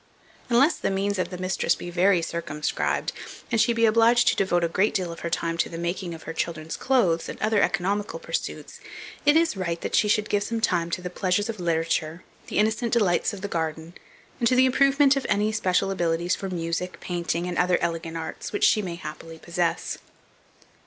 Unless the means of the mistress be very circumscribed, and she be obliged to devote a great deal of her time to the making of her children's clothes, and other economical pursuits, it is right that she should give some time to the pleasures of literature, the innocent delights of the garden, and to the improvement of any special abilities for music, painting, and other elegant arts, which she may, happily, possess.